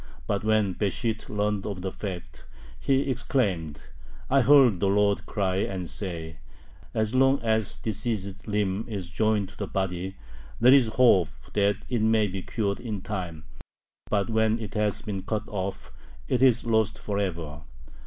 But when Besht learned of the fact, he exclaimed: "I heard the Lord cry and say: As long as the diseased limb is joined to the body, there is hope that it may be cured in time; but when it has been cut off, it is lost forever."